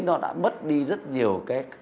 nó đã mất đi rất nhiều